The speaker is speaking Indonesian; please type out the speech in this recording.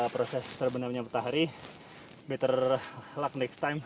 proses terbenamnya putar hari betterlla next timeitz ngeju product printing lagi kita bisa dapat